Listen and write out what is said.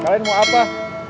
kalian mau apaa